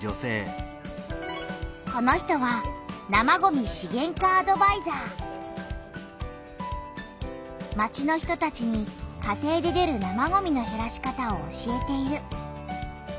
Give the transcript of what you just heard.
この人は町の人たちに家庭で出る生ごみのへらし方を教えている。